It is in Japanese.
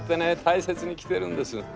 大切に着てるんです。